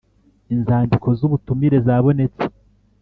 Inzandiko z ubutumire zabonetse